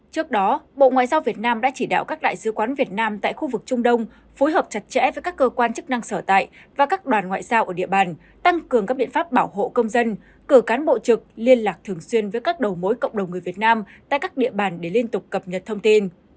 trước đó bộ ngoại giao việt nam đã chỉ đạo các đại sứ quán việt nam tại khu vực trung đông phối hợp chặt chẽ với các cơ quan chức năng sở tại và các đoàn ngoại giao ở địa bàn tăng cường các biện pháp bảo hộ công dân cử cán bộ trực liên lạc thường xuyên với các đầu mối cộng đồng người việt nam tại các địa bàn để liên tục cập nhật thông tin